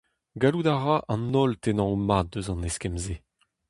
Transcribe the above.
Gallout a ra an holl tennañ o mad eus an eskemm-se !